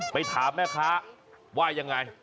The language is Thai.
ไปถามแม่คะว่าอย่างไร